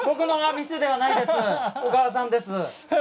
小川さんです